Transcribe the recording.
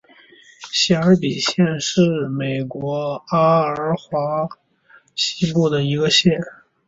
谢尔比县是美国爱阿华州西部的一个县。